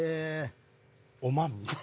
「おまん」みたい。